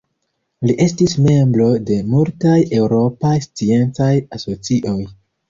Li estis membro de multaj eŭropaj sciencaj asocioj.